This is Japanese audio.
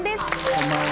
こんばんは。